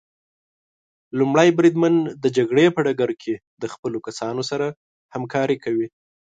لومړی بریدمن د جګړې په ډګر کې د خپلو کسانو سره همکاري کوي.